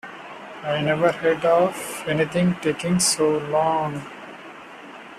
I never heard of anything taking so long.